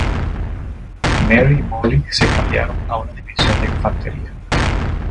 Mary y Molly se cambiaron a una división de infantería.